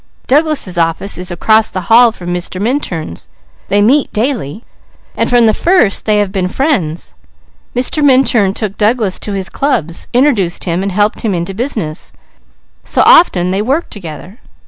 Douglas' office is across the hall from Mr. Minturn's; they meet daily, and from the first they have been friends. Mr. Minturn took Douglas to his clubs, introduced him and helped him into business, so often they work together.